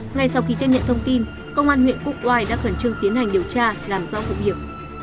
ngay sau khi tiếp nhận thông tin công an huyện quốc hoa đã khẩn trương tiến hành điều tra làm do phục hiểm